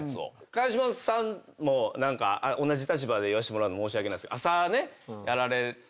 川島さんも同じ立場で言わせてもらうの申し訳ないですけど。